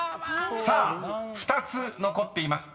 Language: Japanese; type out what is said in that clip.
［さあ２つ残っています。